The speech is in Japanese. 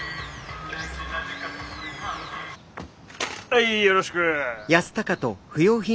はいよろしく！